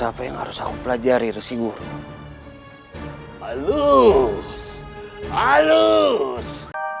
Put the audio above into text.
apa yang harus aku pelajari resigur halus halus